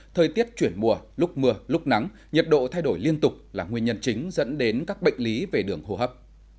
thời tiết chuyển mùa lúc mưa lúc nắng nhiệt độ thay đổi liên tục là nguyên nhân chính dẫn đến các bệnh lý về đường hô hấp